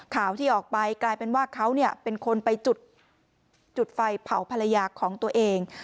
ข่าวที่ออกไปกลายเป็นว่าเขาเป็นคนไปจุดไฟเผาภรรยาของตัวเอง